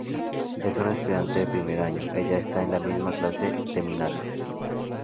Es una estudiante de primer año, ella está en la misma clase de Minato.